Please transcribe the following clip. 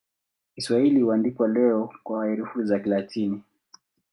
Kiswahili huandikwa leo kwa herufi za Kilatini.